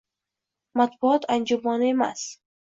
Matbuot anjumani emas